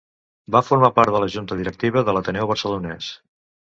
Va formar part de la junta directiva de l'Ateneu Barcelonès.